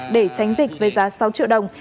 để tránh dịch với giá sáu triệu đồng